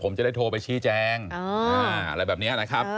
ผมจะได้โทรไปชี้แจงอะไรแบบนี้นะครับ